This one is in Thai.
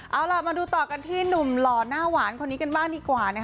เอาล่ะมาดูต่อกันที่หนุ่มหล่อหน้าหวานคนนี้กันบ้างดีกว่านะคะ